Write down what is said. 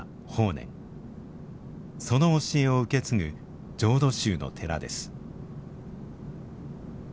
その教えを受け継ぐ浄土宗の寺です。